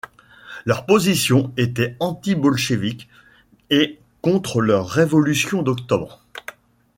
Leur position était anti-bolcheviques et contre leur Révolution d'Octobre.